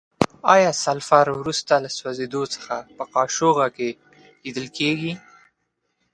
آیا سلفر وروسته له سوځیدو څخه په قاشوغه کې لیدل کیږي؟